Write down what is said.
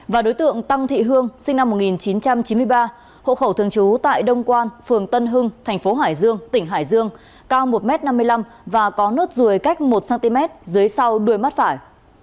và đối tượng tăng thị hương sinh năm một nghìn chín trăm chín mươi ba hộ khẩu thường trú tại đông quan phường tân hưng thành phố hải dương tỉnh hải dương cao một m năm mươi năm và có nốt ruồi cách một cm dưới sau đuôi mắt phải